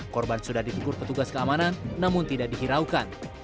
korban sudah ditegur petugas keamanan namun tidak dihiraukan